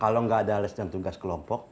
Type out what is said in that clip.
kalau gak ada les dan tugas kelompok